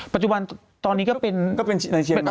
ปัจจุบันตอนนี้ก็เป็นก็เป็นเชียงใหม่